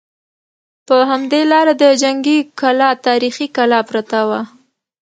په همدې لاره د جنګي کلا تاریخي کلا پرته وه.